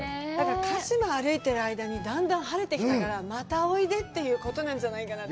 鹿嶋を歩いている間にだんだん晴れてきたから、またおいでということなんじゃないかな。